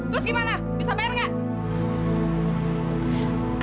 terus gimana bisa bayar nggak